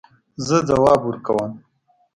زه ځواب ورکوم